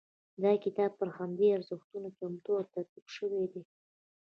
دا کتاب پر همدې ارزښتونو چمتو او ترتیب شوی دی.